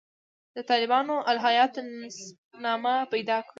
د طالباني الهیاتو نسب نامه پیدا کړو.